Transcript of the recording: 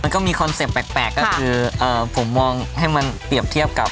ก็มีคอนเซ็ปต์แปลกก็คือผมมองให้มันเปรียบเทียบกับ